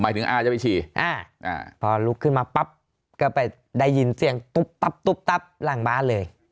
หมายถึงอาจะไปชี่พอลุกขึ้นมาปั๊บก็ไปได้ยินเสียงตุ๊บหลังบ้านเลย